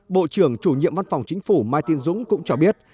bộ trưởng chủ nhiệm văn phòng chính phủ mai tiên dũng cũng cho biết